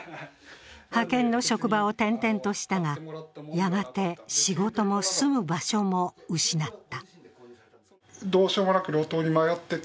派遣の職場を転々としたが、やがて仕事も住む場所も失った。